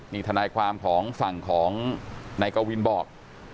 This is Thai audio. นี่ทนายความของฝั่งของนายกวินบอก